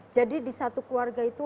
di satu keluarga itu